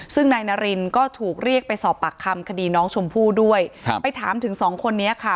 ซึ่งนายนารินก็ถูกเรียกไปสอบปากคำคดีน้องชมพู่ด้วยครับไปถามถึงสองคนนี้ค่ะ